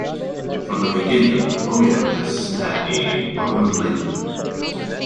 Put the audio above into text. From the beginning, Romeo discs had a maroon label.